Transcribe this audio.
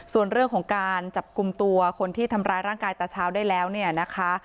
ส่วนเรื่องของการจับกลุ่มตัวคนที่ทำร้ายร่างกายตาเช้าได้แล้วเนี่ยนะคะ